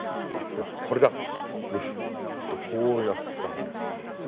でこれだ「グス」とこう訳したんですね。